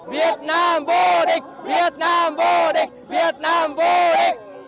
việt nam vô địch việt nam vô địch việt nam vô địch